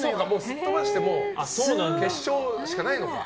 すっ飛ばして決勝しかないのか。